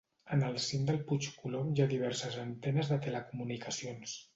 En el cim del Puig Colom hi ha diverses antenes de telecomunicacions.